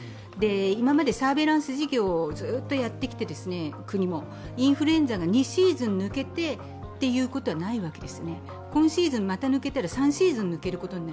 今までサーベランス事業を国やもってきてインフルエンザが２シーズン抜けてということはないわけです。